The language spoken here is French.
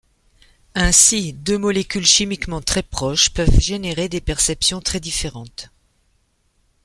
Ainsi, deux molécules chimiquement très proches peuvent générer des perceptions très différentes.